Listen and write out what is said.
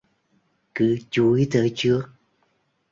Cứ chúi tới trước